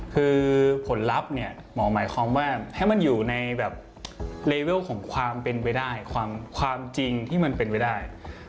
คือผลลัพธ์เนี่ยหมอหมายความว่าให้มันอยู่ในแบบเลเวลของความเป็นไปได้ความจริงที่มันเป็นไปได้